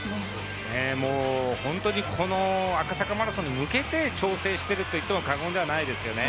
本当にこの赤坂マラソンに向けて調整していると言っても過言ではないですよね。